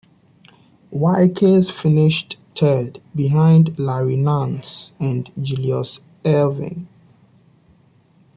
Wilkins finished third, behind Larry Nance and Julius Erving.